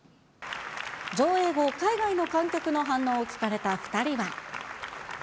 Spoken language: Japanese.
上映後、海外の観客の反応を聞かれた２人は。